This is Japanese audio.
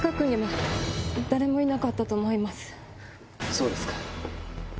そうですか。